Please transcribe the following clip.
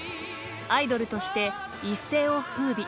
アイドルとして一世を風靡。